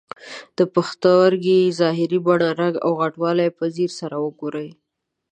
د پښتورګي ظاهري بڼه، رنګ او غټوالی په ځیر سره وګورئ.